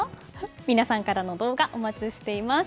皆さんからの動画お待ちしています。